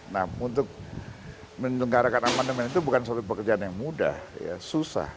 nah untuk menyelenggarakan amandemen itu bukan suatu pekerjaan yang mudah susah